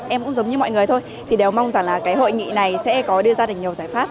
em cũng giống như mọi người thôi thì đều mong rằng là cái hội nghị này sẽ có đưa ra được nhiều giải pháp